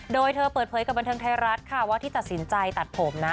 โดยเธอเปิดเผยกับบันเทิงไทยรัฐค่ะว่าที่ตัดสินใจตัดผมนะ